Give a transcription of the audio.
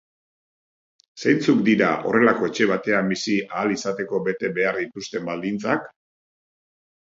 Zeintzuk dira horrelako etxe batean bizi ahal izateko bete behar dituzten baldintzak?